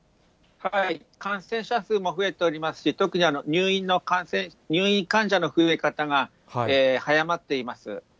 感染者数も増えておりますし、特に入院患者の増え方が早まっています。